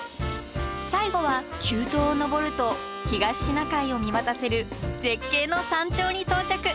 最後は急登を登ると東シナ海を見渡せる絶景の山頂に到着。